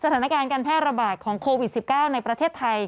สถานการณ์การแพร่ระบาดของโควิด๑๙ในประเทศไทย